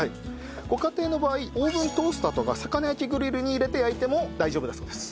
ご家庭の場合オーブントースターとか魚焼きグリルに入れて焼いても大丈夫だそうです。